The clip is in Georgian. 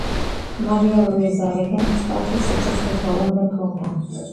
მარია ლუიზა რეგენტის სტატუსს სიცოცხლის ბოლომდე ფლობდა.